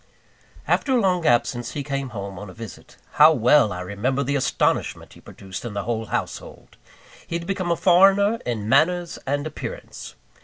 After a long absence, he came home on a visit. How well I remember the astonishment he produced in the whole household! He had become a foreigner in manners and appearance.